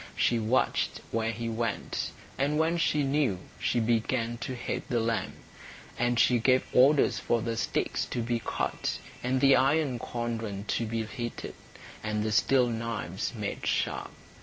She watched where he went, and when she knew she began to hate the lamb; and she gave orders for the sticks to be cut, and the iron cauldron to be heated, and the steel knives made sharp.